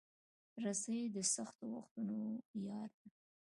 رسۍ د سختو وختونو یار ده.